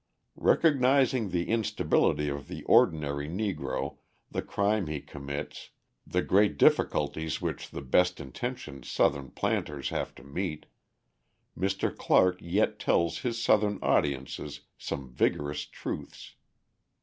Recognising the instability of the ordinary Negro, the crime he commits, the great difficulties which the best intentioned Southern planters have to meet, Mr. Clark yet tells his Southern audiences some vigorous truths.